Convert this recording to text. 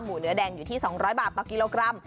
เนื้อแดงอยู่ที่๒๐๐บาทต่อกิโลกรัม